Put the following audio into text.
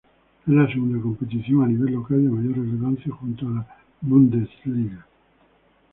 Es la segunda competición a nivel local de mayor relevancia junto a la Bundesliga.